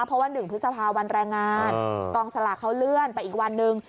เพราะว่า๑พฤษภาวันแรงงานกองสลากเขาเลื่อนไปอีกวันหนึ่ง